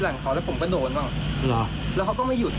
หลังเขาแล้วผมก็โดนบ้างเหรอแล้วเขาก็ไม่หยุด